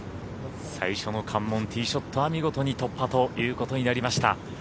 最初の関門・ティーショットは見事に突破ということになりました。